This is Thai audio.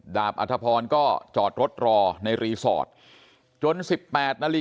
ดาร์ปอธพรก็จอดรถรอในรีสอร์ทจน๑๘น